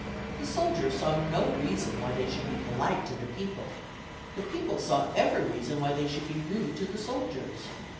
The soldiers saw no reason why they should be polite to the people, the people saw every reason why they should be rude to the soldiers.